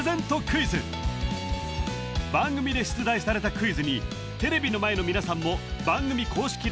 クイズ番組で出題されたクイズにテレビの前の皆さんも番組公式